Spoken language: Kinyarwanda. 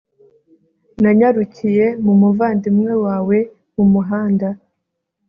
Nanyarukiye mu muvandimwe wawe mu muhanda